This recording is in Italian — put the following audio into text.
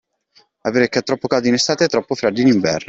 Avere troppo caldo in estate e troppo freddo in inverno.